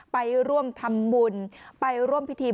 ไปร่วมพิธีบวงสวงใหญ่